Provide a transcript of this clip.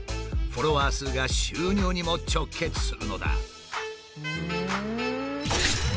フォロワー数が収入にも直結するのだ。